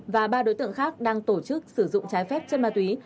và ba đối tượng khác đang tổ chức sử dụng trái phép chất ma túy